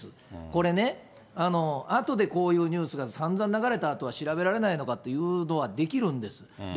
これね、あとでこういうニュースがさんざん流れたあとは調べられないのかっていうのはできるんです。